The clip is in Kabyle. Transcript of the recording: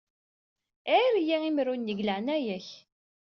Ɛir-iyi-imru-nni deg leɛnaya-k.